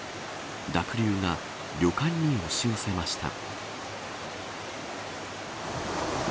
濁流が旅館に押し寄せました。